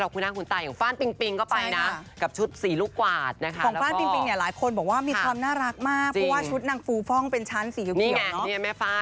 แล้วก็เมาท์มอยล์กับช่างแต่งหน้าของเรา